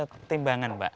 jual timbangan pak